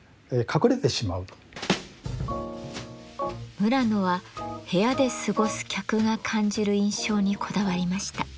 村野は部屋で過ごす客が感じる印象にこだわりました。